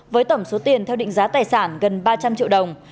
với tổng số tiền theo định giá tài sản gần ba trăm linh triệu đồng